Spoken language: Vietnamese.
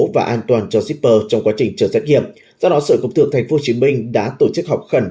và an toàn cho shipper trong quá trình chờ xét nghiệm do đó sở công thương tp hcm đã tổ chức học khẩn